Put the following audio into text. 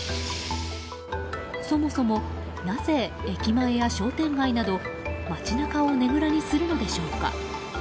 そもそも、なぜ駅前や商店街など街中をねぐらにするのでしょうか。